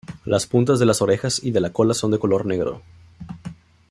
Las puntas de las orejas y de la cola son de color negro.